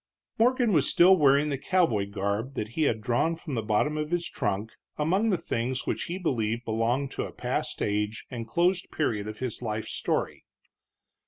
Morgan was still wearing the cowboy garb that he had drawn from the bottom of his trunk among the things which he believed belonged to a past age and closed period of his life's story.